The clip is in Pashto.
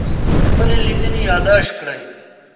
خپلې لیدنې یادداشت کړئ.